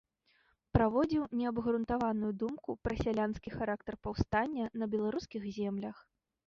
Праводзіў неабгрунтаваную думку пра сялянскі характар паўстання на беларускіх землях.